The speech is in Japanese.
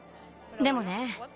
でもね